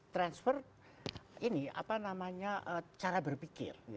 transfer ini apa namanya cara berpikir